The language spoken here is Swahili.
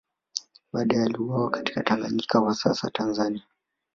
Baadae aliuawa akiwa Tanganyika kwa sasa Tanzania